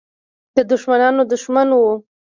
د دښمنانو دښمن وو.